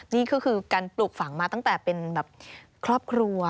นี่ก็คือการปลูกฝังมาตั้งแต่เป็นแบบครอบครัว